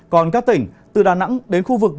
còn các tỉnh từ đà nẵng đến khu vực